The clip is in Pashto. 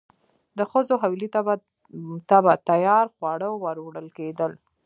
د ښځو حویلۍ ته به تیار خواړه وروړل کېدل.